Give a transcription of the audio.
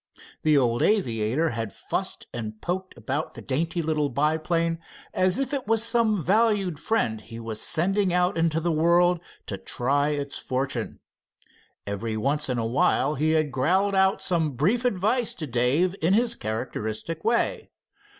The old aviator had fussed and poked about the dainty little biplane, as if it was some valued friend he was sending out into the world to try its fortune. Every once in a while he had growled out some brief advice to Dave in his characteristic way.